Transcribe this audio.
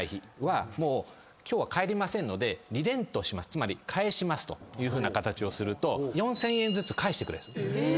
つまり返しますというふうな形をすると４，０００円返してくれる。